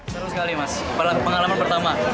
seru sekali mas pengalaman pertama